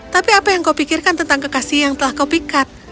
tapi apa yang kau pikirkan tentang kekasih yang telah kau pikat